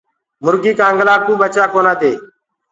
مُرگي ڪآنگلآ ڪوُ بيٽو ڪونآ دي۔